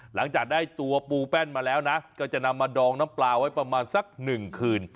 หลังจากได้ตัวปูแป้นมาแล้วนะก็จะนำมาดองน้ำปลาไว้ประมาณสักหนึ่งคืน